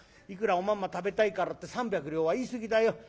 いくらおまんま食べたいからって３百両は言い過ぎだよ。